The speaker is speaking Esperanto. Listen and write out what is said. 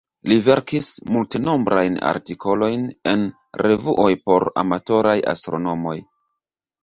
Li verkis multenombrajn artikolojn en revuoj por amatoraj astronomoj.